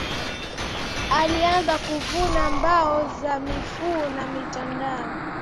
Alianza kuvuna mbao za mifuu na mitondoo